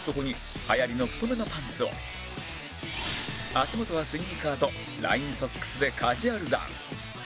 足元はスニーカーとラインソックスでカジュアルダウン